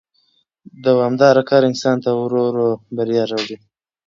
دوامدار کار انسان ته ورو ورو بریا راوړي